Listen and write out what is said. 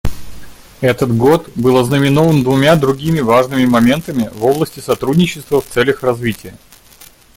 Этот год был ознаменован двумя другими важными моментами в области сотрудничества в целях развития.